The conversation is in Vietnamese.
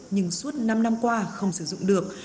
nhưng suốt năm năm qua không sử dụng được